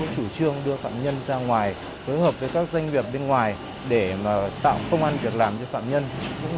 chủ trương đưa phạm nhân ra ngoài hướng hợp với các doanh nghiệp bên ngoài để tạo công an việc làm cho phạm nhân